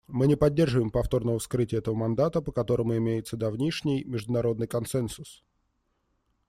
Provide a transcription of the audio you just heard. Мы не поддерживаем повторного вскрытия этого мандата, по которому имеется давнишний международный консенсус.